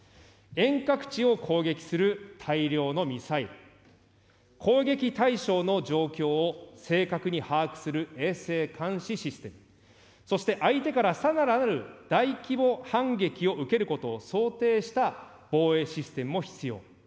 遠隔地を攻撃する大量のミサイル、攻撃対象の状況を正確に把握する衛星監視システム、そして相手からさらなる大規模反撃を受けることを想定した防衛システムも必要。